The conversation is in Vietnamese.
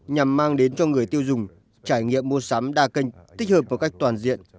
nhằm mang đến cho người tiêu dùng trải nghiệm mua sắm đa kênh tích hợp một cách toàn diện